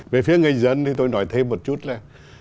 về phía người dân thì tôi nói thêm một chút là